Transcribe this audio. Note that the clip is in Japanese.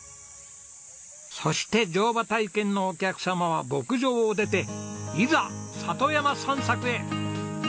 そして乗馬体験のお客様は牧場を出ていざ里山散策へ！